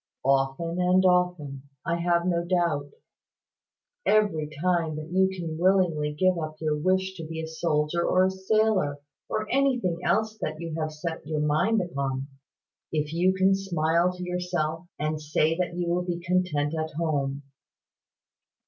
"Often and often, I have no doubt, every time that you can willingly give up your wish to be a soldier or a sailor, or anything else that you have set your mind upon, if you can smile to yourself, and say that you will be content at home.